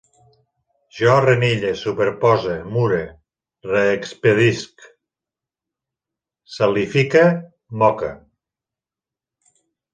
Jo renille, superpose, mure, reexpedisc, salifique, moque